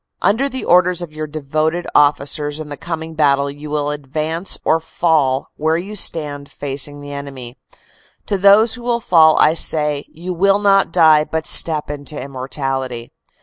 "Under the .orders of your devoted officers in the coming battle you will advance or fall where you stand facing the enemy. To those who will fall I say, You will not die but step into immortality.